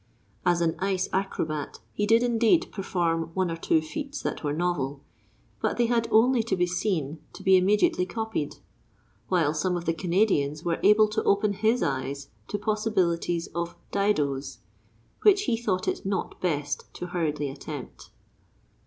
As an ice acrobat he did indeed perform one or two feats that were novel, but they had only to be seen to be immediately copied; while some of the Canadians were able to open his eyes to possibilities of "didoes" which he thought it not best to hurriedly attempt.